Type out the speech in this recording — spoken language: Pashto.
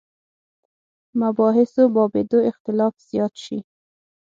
مباحثو بابېدو اختلاف زیات شي.